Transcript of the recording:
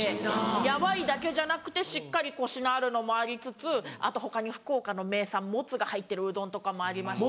やわいだけじゃなくてしっかりコシのあるのもありつつあと他に福岡の名産モツが入ってるうどんとかもありまして。